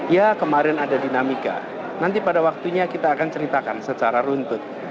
ya kemarin ada dinamika nanti pada waktunya kita akan ceritakan secara runtut